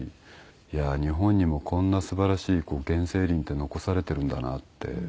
いやあ日本にもこんな素晴らしい原生林って残されてるんだなって。